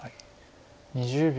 ２０秒。